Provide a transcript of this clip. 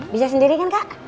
bisa sendiri kan kak